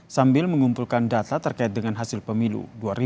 sambil mengumpulkan data terkait dengan hasil pemilu dua ribu dua puluh